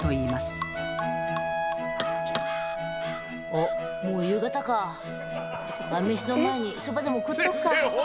おっもう夕方か晩飯の前にそばでも食っとくか！